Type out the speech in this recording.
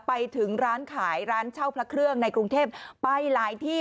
ไปถึงร้านขายร้านเช่าพระเครื่องในกรุงเทพไปหลายที่